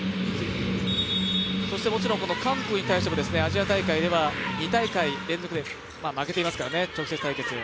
そしてもちろん韓国に対してもアジア大会では２大会連続で、負けていますから直接対決。